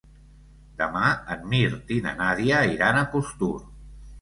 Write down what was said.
Demà en Mirt i na Nàdia iran a Costur.